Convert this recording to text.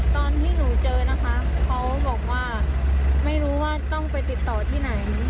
ตอนที่หนูเจอนะคะเขาบอกว่าไม่รู้ว่าต้องไปติดต่อที่ไหน